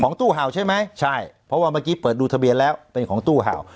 ตู้เห่าใช่ไหมใช่เพราะว่าเมื่อกี้เปิดดูทะเบียนแล้วเป็นของตู้เห่า